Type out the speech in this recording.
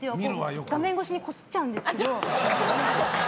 画面越しにこすっちゃうんですけど。